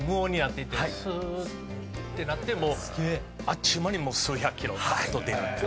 スーッてなってもうあっちゅう間に数百キロばっと出るっていう。